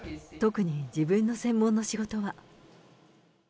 特に自分の専門の仕事は。